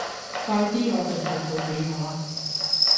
快啲攞份報告畀我吖